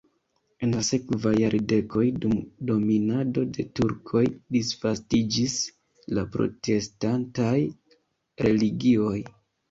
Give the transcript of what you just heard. En la sekvaj jardekoj dum dominado de turkoj disvastiĝis la protestantaj religioj.